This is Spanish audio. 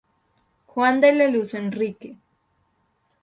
Juan de la Luz Enríquez.